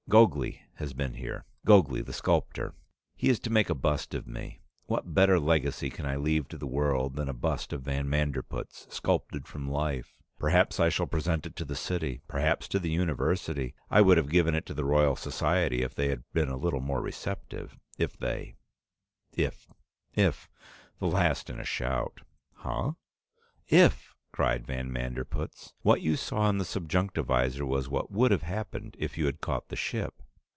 Gogli has been here, Gogli the sculptor. He is to make a bust of me. What better legacy can I leave to the world than a bust of van Manderpootz, sculptured from life? Perhaps I shall present it to the city, perhaps to the university. I would have given it to the Royal Society if they had been a little more receptive, if they if if!" The last in a shout. "Huh?" "If!" cried van Manderpootz. "What you saw in the subjunctivisor was what would have happened if you had caught the ship!"